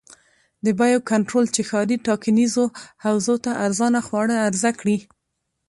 د بیو کنټرول چې ښاري ټاکنیزو حوزو ته ارزانه خواړه عرضه کړي.